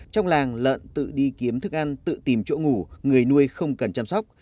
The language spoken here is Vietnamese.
trong làng lợn tự đi kiếm thức ăn tự tìm chỗ ngủ người nuôi không cần chăm sóc